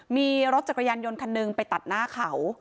มีรถจักรยานยนต์คันหนึ่งไปตัดหน้าเขา